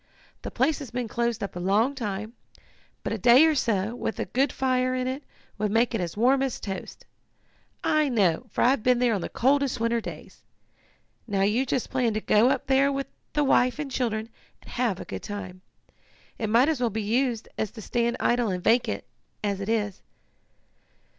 The place has been closed up a long time, but a day or so, with a good fire in it, would make it as warm as toast. I know, for I've been there on the coldest winter days. Now you just plan to go up there with the wife and children, and have a good time. It might as well be used as to stand idle and vacant, as it is."